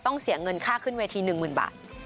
ต้องเสียเงินค่าขึ้นเวที๑หมื่นบาท